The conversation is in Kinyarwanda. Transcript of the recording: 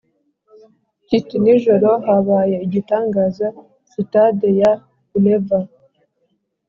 kiti nijoro habaye igitangaza Sitade ya Ulleval